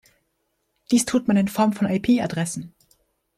Dies tut man in Form von IP-Adressen.